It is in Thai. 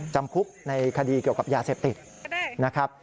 จำคุกในคดีเกี่ยวกับยาเสพติดนะครับ